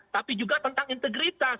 tapi juga tentang integritas